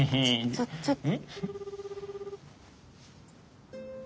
ちょちょっと。